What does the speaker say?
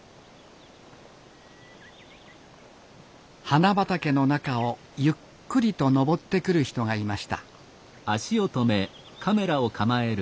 花畑の中をゆっくりと登ってくる人がいました。